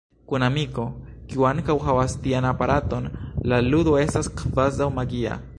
Kun amiko, kiu ankaŭ havas tian aparaton, la ludo estas kvazaŭ magia.